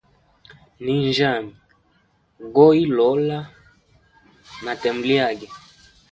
Nyinjyami goilola na temo lyage.